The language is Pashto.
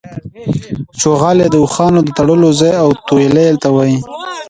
چوغالی د اوښانو د تړلو ځای او تویلې ته وايي.